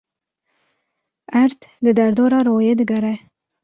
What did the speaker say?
Erd li derdora royê digere.